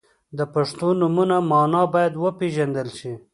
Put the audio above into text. • د پښتو نومونو مانا باید وپیژندل شي.